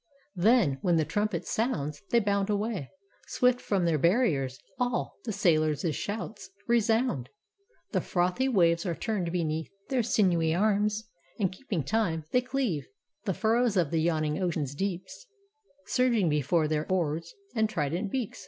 Then, when the trumpet sounds, they bound away Swift from their barriers, all; the sailors' shouts Resound; the frothy waves are turned beneath Their sinewy arms; and keeping time, they cleave The furrows of the yawning ocean deeps Surging before their oars and trident beaks.